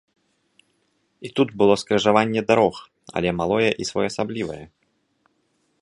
І тут было скрыжаванне дарог, але малое і своеасаблівае.